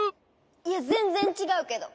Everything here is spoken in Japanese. いやぜんぜんちがうけど！